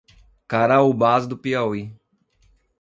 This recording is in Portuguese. Caraúbas do Piauí